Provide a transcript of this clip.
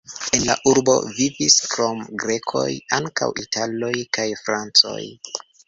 En la urbo vivis krom grekoj ankaŭ italoj kaj francoj.